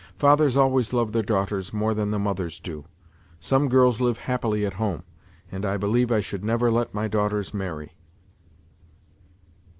Fathers always love their daughters more than the mothers do. Some girls live happily at home ! And I believe I should never let my daughters marry."